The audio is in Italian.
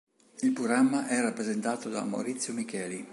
Il programma era presentato da Maurizio Micheli.